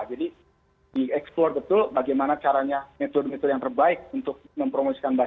jadi dieksplore betul bagaimana caranya metode metode yang terbaik untuk mempromosikan